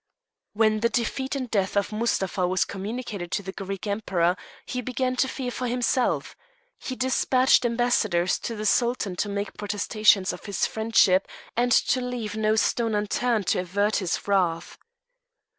When the defeat and death of Mustapha was communicated to the Greek Emperor, he began to fear for himself. He despatched ambassadors to the Sultan to make protestations of his friendship, and to leave no stone unturned to avert his wrath.